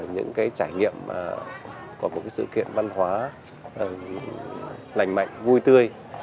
những trải nghiệm của một sự kiện văn hóa lành mạnh vui tươi